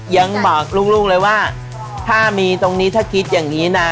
ยังบอกลูกเลยว่าถ้ามีตรงนี้ถ้าคิดอย่างนี้นะ